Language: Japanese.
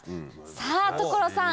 さぁ所さん！